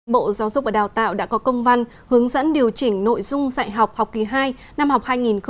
bộ giáo dục và đào tạo đã có công văn hướng dẫn điều chỉnh nội dung dạy học học kỳ hai năm học hai nghìn hai mươi hai nghìn hai mươi